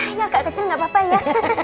ini agak kecil nggak apa apa ya